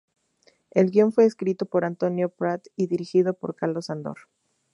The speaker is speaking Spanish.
El guion fue escrito por Antonio Prat y dirigido por Carlos Sandor.